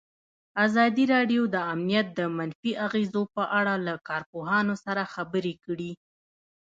ازادي راډیو د امنیت د منفي اغېزو په اړه له کارپوهانو سره خبرې کړي.